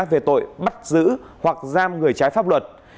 về tội bắt giữ hoặc giam người trái pháp luật